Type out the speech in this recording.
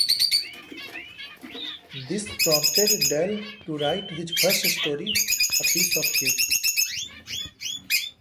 This prompted Dahl to write his first story, "A Piece of Cake".